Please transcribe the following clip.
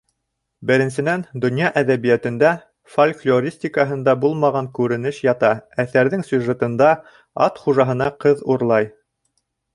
Беренсенән, донъя әҙәбиәтендә, фольклористикаһында булмаған күренеш ята әҫәрҙең сюжетында: ат хужаһына ҡыҙ урлай...